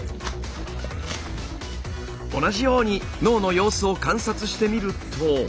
同じように脳の様子を観察してみると。